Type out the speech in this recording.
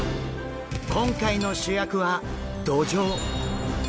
今回の主役はドジョウ！